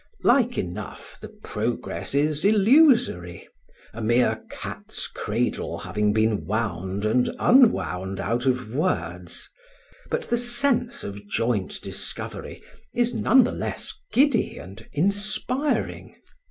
Like enough, the progress is illusory, a mere cat's cradle having been wound and unwound out of words. But the sense of joint discovery is none the less giddy and inspiring.